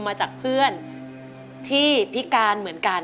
มาพบกับแก้วตานะครับนักสู้งาน